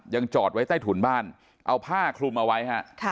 จอดไว้ใต้ถุนบ้านเอาผ้าคลุมเอาไว้ฮะ